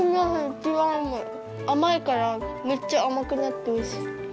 あまいからめっちゃあまくなくておいしい。